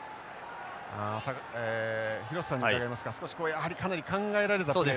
廣瀬さんに伺いますが少しやはりかなり考えられたプレー。